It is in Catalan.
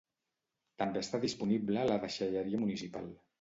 També està disponible la Deixalleria Municipal